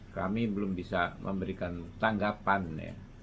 kami belum bisa memberikan tanggapan ya